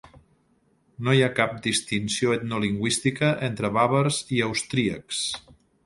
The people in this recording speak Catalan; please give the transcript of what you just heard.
No hi ha cap distinció etnolingüística entre bàvars i austríacs.